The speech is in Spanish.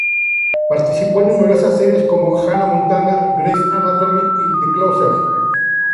Participó en numerosas series como "Hannah Montana", "Grey's Anatomy" y "The Closer".